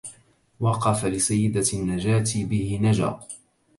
وقف لسيدة النجاة به نجا